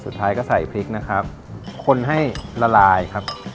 สุดท้ายก็ใส่พริกนะครับคนให้ละลายครับ